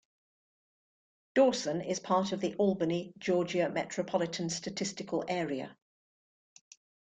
Dawson is part of the Albany, Georgia Metropolitan Statistical Area.